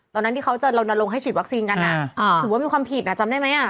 ตอนนั้นที่เขาจะลนลงให้ฉีดวัคซีนกันถือว่ามีความผิดอ่ะจำได้ไหม